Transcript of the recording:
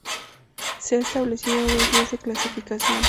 Se han establecido dos vías de clasificación.